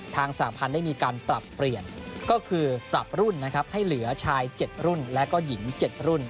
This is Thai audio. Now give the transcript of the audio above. ทางสาธารณ์ได้มีการปรับเปลี่ยนก็คือปรับรุ่นให้เหลือชาย๗รุ่นแล้วก็หญิง๗รุ่น